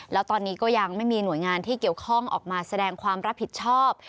แล้วตอนนี้ก็ยังไม่มีหน่วยงานที่เกี่ยวข้องออกมาแสดงความรับผิดชอบ